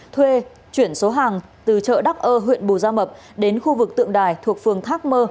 thuê chuyển số hàng từ chợ đắc ơ huyện bù gia mập đến khu vực tượng đài thuộc phường thác mơ